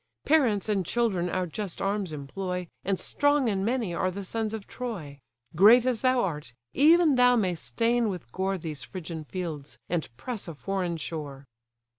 Parents and children our just arms employ, And strong and many are the sons of Troy. Great as thou art, even thou may'st stain with gore These Phrygian fields, and press a foreign shore."